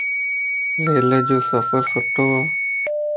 ريلَ جو سفر سھڻو ائي.